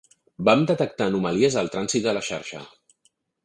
Vam detectar anomalies al trànsit de la xarxa.